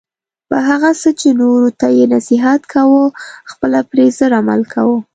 په هغه څه چې نورو ته یی نصیحت کوي خپله پری زر عمل کوه